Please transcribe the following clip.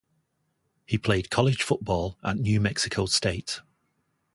He played college football at New Mexico State.